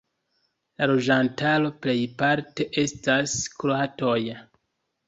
La loĝantaro plejparte estas kroatoj.